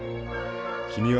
君は